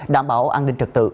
đảm bảo an ninh trật tự